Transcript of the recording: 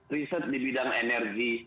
riset di bidang energi